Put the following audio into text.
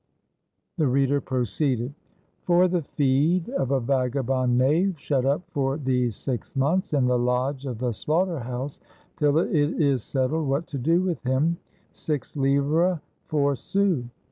The reader proceeded :— ''For the feed of a vagabond knave shut up for these six months in the lodge of the slaughter house, till it is settled what to do with him, six livres, four sous."